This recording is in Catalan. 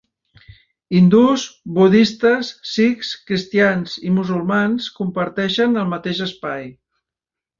Hindús, budistes, sikhs, cristians i musulmans comparteixen el mateix espai.